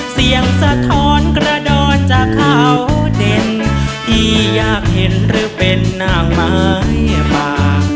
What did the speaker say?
สะท้อนกระดอนจากเขาเด่นที่อยากเห็นหรือเป็นนางไม้ป่า